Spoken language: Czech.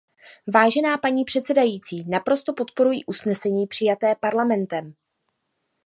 Vážená paní předsedající, naprosto podporuji usnesení přijaté Parlamentem.